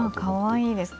かわいいです。